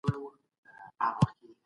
سم نیت ستونزي نه جوړوي.